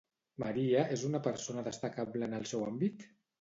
María és una persona destacable en el seu àmbit?